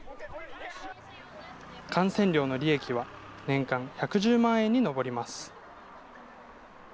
観戦料の利益は、年間１１０万円に上ります。